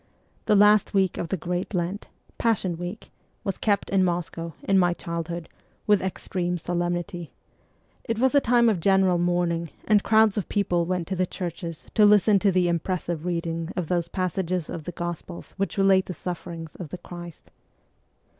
The last week of the Great Lent, Passion Week, was kept in Moscow, in my childhood, with extreme solemnity ; it was a time of general mourning, and crowds of people went to the churches to listen to the impressive reading of those passages of the Gospels which relate the sufferings of the Christ.